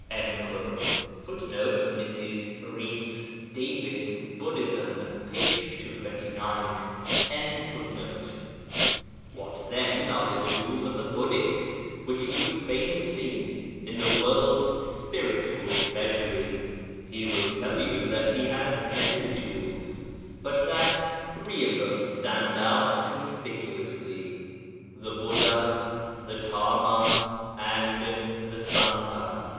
[Footnote: Mrs. Rhys Davids, Buddhism, p. 229.] What, then, are the jewels of the Buddhist which he would fain see in the world's spiritual treasury? He will tell you that he has many jewels, but that three of them stand out conspicuously the Buddha, the Dharma, and the Sangha.